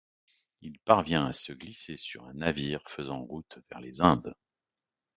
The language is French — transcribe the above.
Il parvient à se glisser sur un navire faisant route vers les Indes.